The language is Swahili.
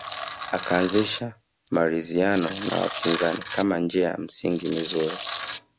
Akaanzisha maridhiano na wapinzani kama njia ya msingi mizuri